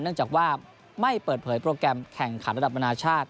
เนื่องจากว่าไม่เปิดเผยโปรแกรมแข่งขันระดับนานาชาติ